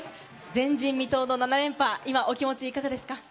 前人未踏の７連覇、今、お気持ちいかがですか？